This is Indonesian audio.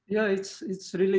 ya itu benar benar baik